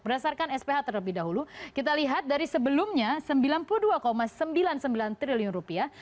berdasarkan sph terlebih dahulu kita lihat dari sebelumnya sembilan puluh dua sembilan puluh sembilan triliun rupiah